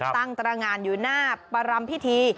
ตั้งตรงานอยู่หน้าประรำพิธี